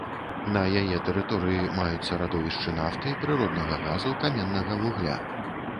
На яе тэрыторыі маюцца радовішчы нафты, прыроднага газу, каменнага вугля.